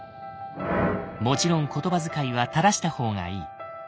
もちろん言葉遣いは正した方がいい。